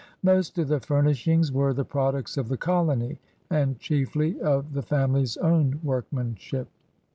Most of the furnishings were the products of the colony and chiefly of the family*s own workmanship.